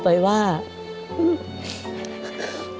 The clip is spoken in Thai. ผมคิดว่าสงสารแกครับ